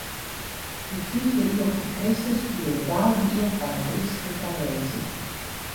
De fiifde iuw foar Kristus wie de gouden iuw foar de Grykske trageedzje.